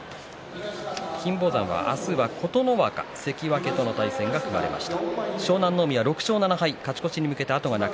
金峰山は、あした、琴ノ若関脇との対戦が組まれました。